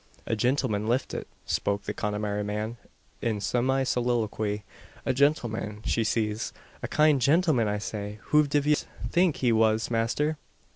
"A gintleman lift it," spoke the Connemara man, in semi soliloquy. "A gintleman, she sez; a kind gintleman, I say! Who div yez think he was, masther?"